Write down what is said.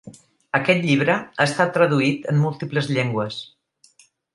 Aquest llibre ha estat traduït en múltiples llengües.